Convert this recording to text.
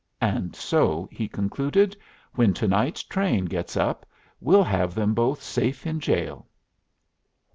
"And so," he concluded, "when to night's train gets up, we'll have them both safe in jail."